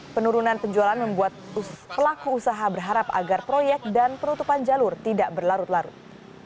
penurunan penjualan membuat pelaku usaha berharap agar proyek dan penutupan jalur tidak berlarut larut